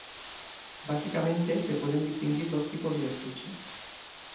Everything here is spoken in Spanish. Básicamente, se pueden distinguir dos tipos de estuches.